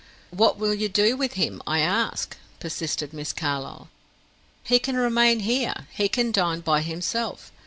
"What will you do with him, I ask?" persisted Miss Carlyle. "He can remain here he can dine by himself.